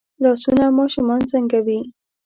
لاسونه ماشومان زنګوي